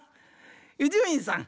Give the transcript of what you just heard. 伊集院さん